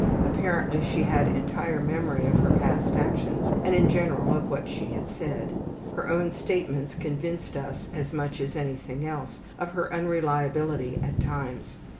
Apparently she had entire memory of her past actions and, in general, of what she had said. Her own statements convinced us as much as anything else of her unreliability at times.